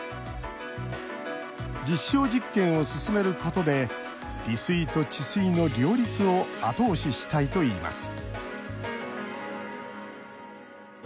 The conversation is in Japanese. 実証実験を進めることで利水と治水の両立を後押ししたいといいます